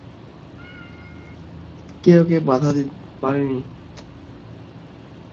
কে ওকে বাঁধতে পারেনি দিদি?